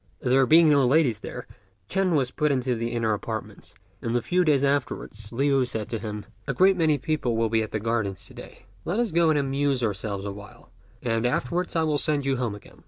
There being no ladies there, Ch'ên was put into the inner apartments; and a few days afterwards Liu said to him, "A great many people will be at the gardens to day; let us go and amuse ourselves awhile, and afterwards I will send you home again."